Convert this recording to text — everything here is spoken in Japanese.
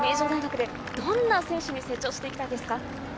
どんな選手に成長していきたいですか？